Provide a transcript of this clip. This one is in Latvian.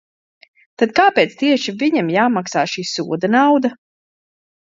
Tad kāpēc tieši viņam jāmaksā šī soda nauda?